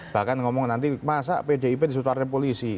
bahkan ngomong nanti masa pdip disutuh partai polisi